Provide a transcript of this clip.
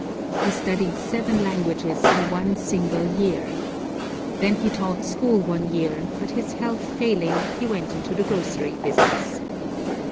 He studied seven languages in one single year. Then he taught school one year, but his health failing, he went into the grocery business.